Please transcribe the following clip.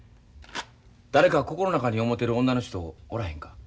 誰か心の中に思てる女の人おらへんか？